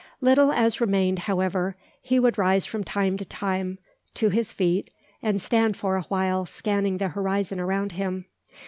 Little as remained, however, he would rise from time to time to his feet, and stand for a while scanning the horizon around him.